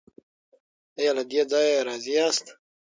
ایا له دې ځای راضي یاست؟